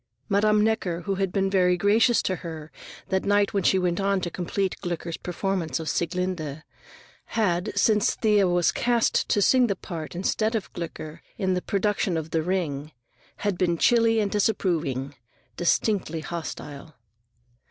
Madame Necker, who had been very gracious to her that night when she went on to complete Gloeckler's performance of Sieglinde, had, since Thea was cast to sing the part instead of Gloeckler in the production of the "Ring," been chilly and disapproving, distinctly hostile.